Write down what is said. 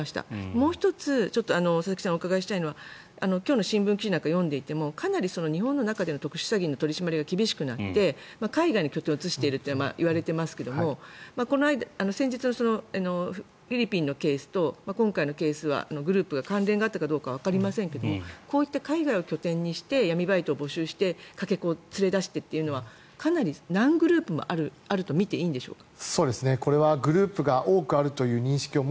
もう１つ、佐々木さんにお伺いしたいのは今日の新聞記事なんかを読んでいてもかなり日本の中での特殊詐欺の取り締まりが厳しくなって、海外に拠点を移しているといわれていますが先日のフィリピンのケースと今回のケースはグループが関連があったかどうかはわかりませんがこういった海外を拠点にして闇バイトを募集してかけ子を連れ出してというのは何グループもあるとみていいんでしょうか？